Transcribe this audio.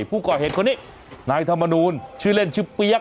ผู้ก็เหตุคนนี้นายส์ธรรมนูนชื่อเล่นชื่อยก